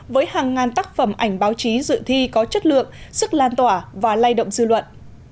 với hàng ngàn tác phẩm ảnh báo chí dự thi có chất lượng sức lan tỏa và lay động dư luận